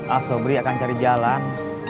asobri akan cari jalan